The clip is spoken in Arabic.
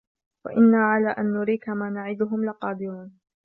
وإنا على أن نريك ما نعدهم لقادرون